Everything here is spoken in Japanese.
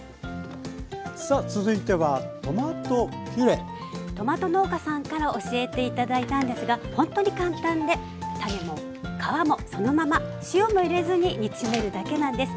さあ続いてはトマト農家さんから教えて頂いたんですがほんとに簡単で種も皮もそのまま塩も入れずに煮詰めるだけなんです。